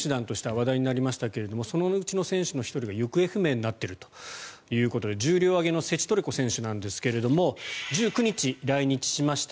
話題になりましたがそのうちの選手の１人が行方不明になっているということで重量挙げのセチトレコ選手ですが１９日、来日しました。